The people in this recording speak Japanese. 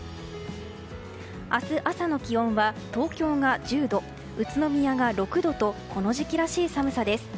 明日朝の気温は東京が１０度宇都宮が６度とこの時期らしい寒さです。